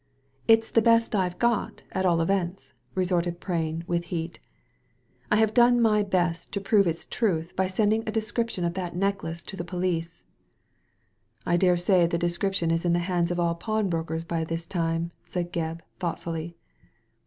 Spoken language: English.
''It's the best IVe got, at all events!" retorted Prain, with heat " I have done my best to prove its truth by sending a description of that necklace to the police." " I dare say the description is in the hands of all pawnbrokers by this time," said Gebb, thoughtfully.